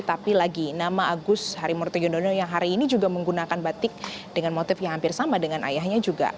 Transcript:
tapi lagi nama agus harimurti yudhoyono yang hari ini juga menggunakan batik dengan motif yang hampir sama dengan ayahnya juga